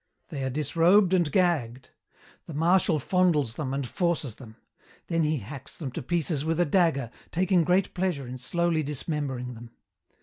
They are disrobed and gagged. The Marshal fondles them and forces them. Then he hacks them to pieces with a dagger, taking great pleasure in slowly dismembering them.